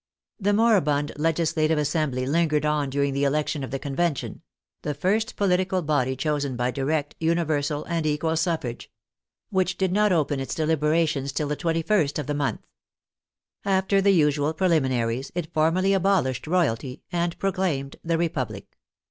The moribund Legislative Assembly lingered on dur ing the election of the Convention — the first political body chosen by direct, universal and equal suffrage — which did not open its deliberations till the 21st of the month. After the usual preliminaries it formally abol ished Royalty, and proclaimed the Republic.